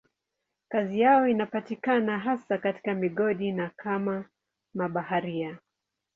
Kazi yao inapatikana hasa katika migodi na kama mabaharia.